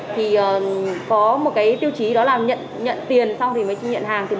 thì có một cái tiêu chí đó là nhận tiền xong thì mới nhận hàng